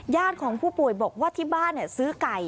ของผู้ป่วยบอกว่าที่บ้านซื้อไก่